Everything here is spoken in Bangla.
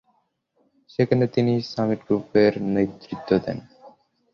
সেখানে তিনি সামিট গ্রুপের নেতৃত্ব দেন।